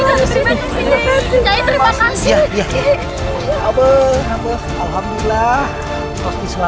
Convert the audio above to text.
untuk sembunyikan betapa kehemlangan abang heta